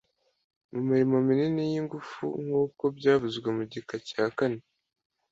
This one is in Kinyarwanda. mu mirimo minini y'ingufu nk'uko byavuzwe mu gika cya kane